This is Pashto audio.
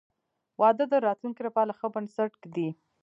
• واده د راتلونکي لپاره ښه بنسټ ږدي.